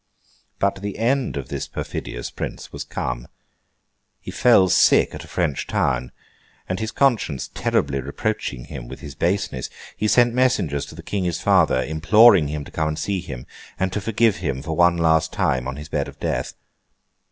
But the end of this perfidious Prince was come. He fell sick at a French town; and his conscience terribly reproaching him with his baseness, he sent messengers to the King his father, imploring him to come and see him, and to forgive him for the last time on his bed of death.